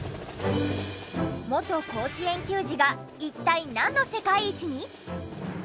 元甲子園球児が一体なんの世界一に？